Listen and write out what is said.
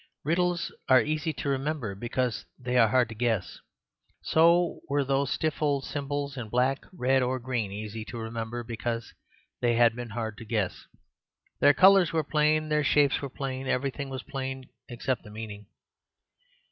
Riddles are easy to remember because they are hard to guess. So were those stiff old symbols in black, red, or green easy to remember because they had been hard to guess. Their colours were plain. Their shapes were plain. Everything was plain except the meaning."